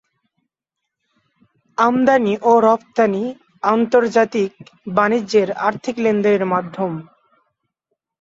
আমদানি ও রফতানি আন্তর্জাতিক বাণিজ্যের আর্থিক লেনদেনের মাধ্যম।